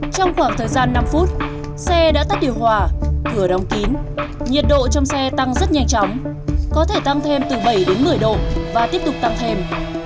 trong khoảng thời gian năm phút xe đã tắt điều hòa cửa đóng kín nhiệt độ trong xe tăng rất nhanh chóng có thể tăng thêm từ bảy đến một mươi độ và tiếp tục tăng thêm